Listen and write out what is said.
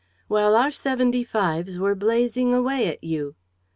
"While our seventy fives were blazing away at you."